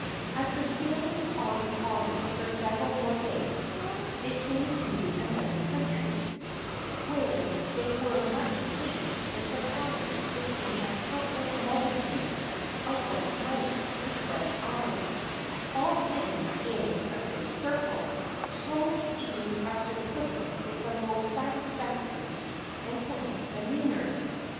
After sailing on calmly for several more days they came to another country, where they were much pleased and surprised to see a countless multitude of white mice with red eyes, all sitting in a great circle, slowly eating custard pudding with the most satisfactory and polite demeanor.